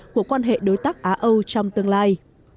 của quan hệ đối tác á âu trong tương lai